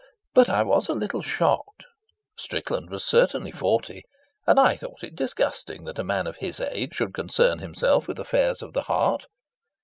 But I was a little shocked. Strickland was certainly forty, and I thought it disgusting that a man of his age should concern himself with affairs of the heart.